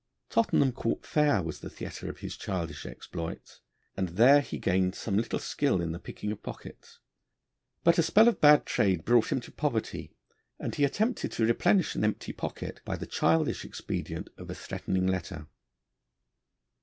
Tottenham Court Fair was the theatre of his childish exploits, and there he gained some little skill in the picking of pockets. But a spell of bad trade brought him to poverty, and he attempted to replenish an empty pocket by the childish expedient of a threatening letter.